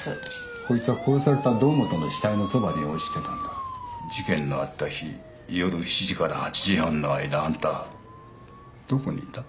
こいつは殺された堂本の死体のそばに落ちてたんだ事件のあった日夜７時から８時半の間あんたどこにいた？